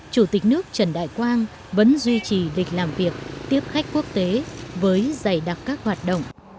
chủ tịch nước trần đại quang vẫn duy trì lịch làm việc tiếp khách quốc tế với dày đặc các hoạt động